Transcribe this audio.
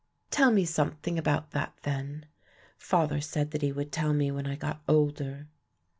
"Tell me something about that then. Father said that he would tell me when I got older."